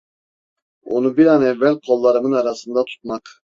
Onu bir an evvel kollarımın arasında tutmak…